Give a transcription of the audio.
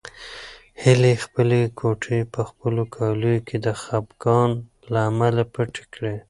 هیلې خپلې ګوتې په خپلو کالیو کې د خپګان له امله پټې کړې.